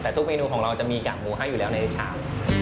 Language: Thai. แต่ทุกเมนูของเราจะมีกากหมูให้อยู่แล้วในชาม